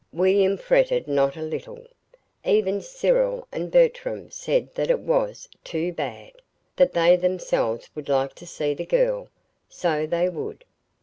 William fretted not a little. Even Cyril and Bertram said that it was "too bad"; that they themselves would like to see the girl so they would!